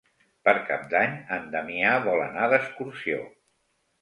Per Cap d'Any en Damià vol anar d'excursió.